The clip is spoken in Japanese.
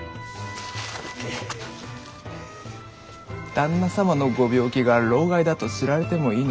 旦那様のご病気が労咳だと知られてもいいので？